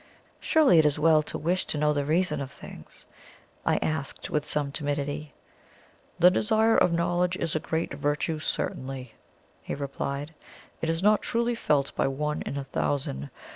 "Surely it is well to wish to know the reason of things?" I asked, with some timidity. "The desire of knowledge is a great virtue, certainly," he replied; "it is not truly felt by one in a thousand.